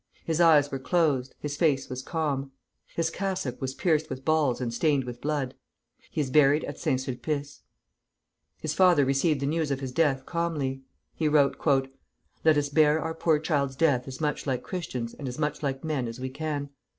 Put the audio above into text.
His eyes were closed, his face was calm. His cassock was pierced with balls and stained with blood. He is buried at Saint Sulpice. His father received the news of his death calmly. He wrote: "Let us bear our poor child's death as much like Christians and as much like men as we can.